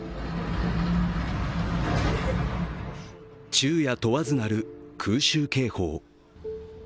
昼夜問わず鳴る空襲警報。